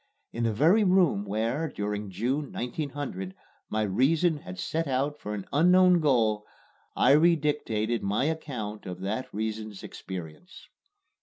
In the very room where, during June, 1900, my reason had set out for an unknown goal, I redictated my account of that reason's experiences.